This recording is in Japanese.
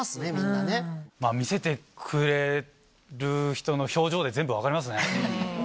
見せてくれる人の表情で全部分かりますね。